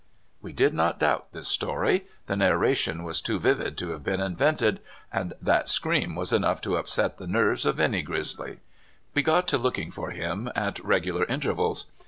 We did not doubt this stor3\ The narration was too vivid to have been invented, and that scream was enough to upset the nerves of any grizzl3\ We ""ot to lookin<x for him at re<£Lilar intervals.